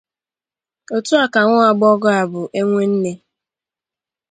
Otu a ka nwagbọghọ a bụ e nwe nne